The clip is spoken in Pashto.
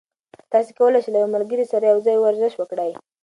تاسي کولای شئ له یو ملګري سره یوځای ورزش وکړئ.